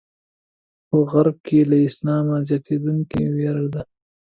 په غرب کې له اسلامه زیاتېدونکې وېره ده.